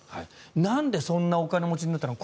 なんでそんなお金持ちになったのか。